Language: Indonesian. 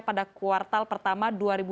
pada kuartal pertama dua ribu dua puluh